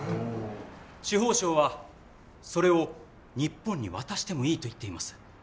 司法省はそれを日本に渡してもいいと言っています。